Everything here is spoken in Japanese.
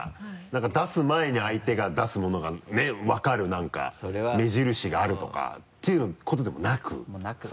何か出す前に相手が出すものがね分かる何か目印があるとかっていうことでもなく？もなく。